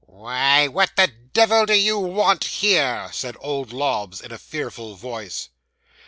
'"Why, what the devil do you want here?" said old Lobbs, in a fearful voice.